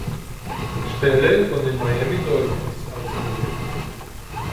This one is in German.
Stelle von den Miami Dolphins ausgewählt.